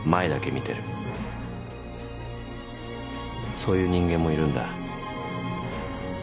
そういう人間もいるんだ。